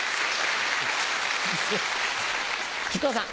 木久扇さん。